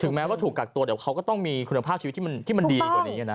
แม้ว่าถูกกักตัวเดี๋ยวเขาก็ต้องมีคุณภาพชีวิตที่มันดีกว่านี้นะ